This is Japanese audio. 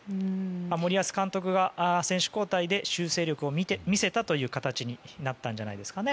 森保監督が選手交代で修正力を見せたという形になったんじゃないですかね。